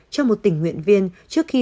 cho một tình nguyện viên trước khi